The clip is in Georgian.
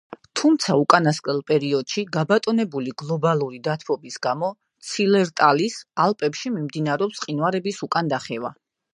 თუმცა უკანასკნელ პერიოდში გაბატონებული გლობალური დათბობის გამო ცილერტალის ალპებში მიმდინარეობს მყინვარების უკანდახევა.